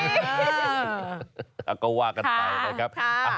ก็ว่ากันไปนะครับ